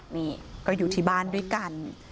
นี่ก็อยู่ที่บ้านด้วยกัน